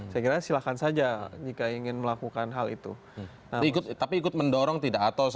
segera silakan saja jika ingin melakukan hal itu tapi ikut mendorong tidak aturkan hal itu